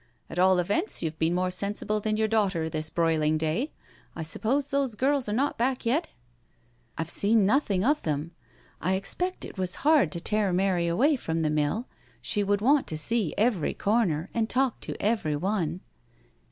At all events you've been more sensible than your daughter this broiling day. I suppose those girls are not back yet?" *' I've seen nothing of them. I expect it was hard to tear Mary away from the mill — she would want to see every corner and talk to everyone."